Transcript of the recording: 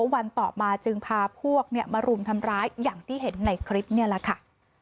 วันต่อมาจึงพาพวกมารุมทำร้ายอย่างที่เห็นในคลิปนี่แหละค่ะ